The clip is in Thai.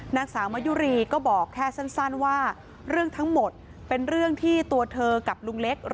นางสาวมะยุรีก็บอกแค่สั้นว่าเรื่องทั้งหมดเป็นเรื่องที่ตัวเธอกับลุงเล็ก